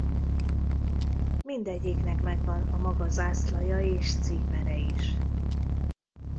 Mindegyiknek megvan a maga zászlaja és címere is.